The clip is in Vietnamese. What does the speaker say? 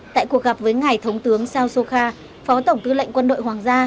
tại cuộc gặp với ngài thống tướng sao sokha phó tổng tư lệnh quân đội hoàng gia